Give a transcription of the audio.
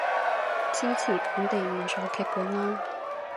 支持本地原創劇本囉